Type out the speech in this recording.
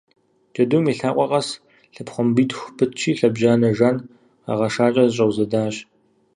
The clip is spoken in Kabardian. Джэдум и лъакъуэ къэс лъэпхъуамбитху пытщи лъэбжьанэ жан къэгъэшакӏэ зэщӏэузэдащ.